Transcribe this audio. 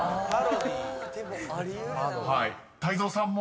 ［泰造さんも？］